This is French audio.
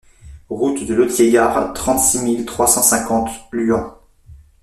Route de Lothiers Gare, trente-six mille trois cent cinquante Luant